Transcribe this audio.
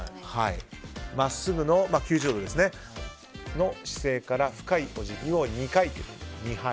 真っすぐの９０度の姿勢から深いお辞儀を２回と、二拝。